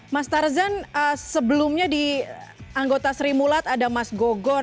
mas tarzan sebelumnya di anggota sri mulat ada mas gogor